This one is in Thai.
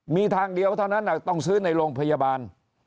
มีทางเดียวเท่านั้นต้องซื้อในโรงพยาบาล